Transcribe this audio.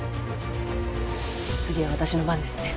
次は私の番ですね。